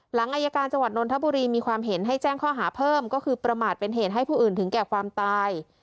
หลังอายการจังหวัดนนทบุรีมีความเห็นให้แจ้งข้อหาเพิ่มก็คือประมาทเป็นเหตุให้ผู้อื่นถึงแก่ความตาย